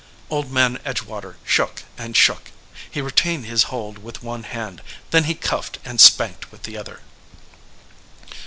Old Man Edgewater shook and shook. He retained his hold with one hand, then he cuffed and spanked with the other.